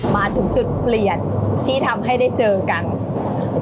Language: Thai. มาถึงจุดเปลี่ยนที่ทำให้ได้เจอกัน